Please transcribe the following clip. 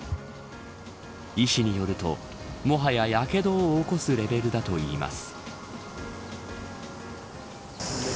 医師によると、もはや、やけどを起こすレベルだといいます。